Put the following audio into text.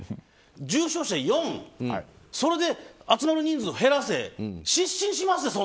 重症者４それで集まる人数を減らせって失神します